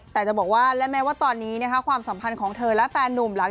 แต่จะบอกว่าและแม้ว่าตอนนี้นะคะความสัมพันธ์ของเธอและแฟนนุ่มหลัง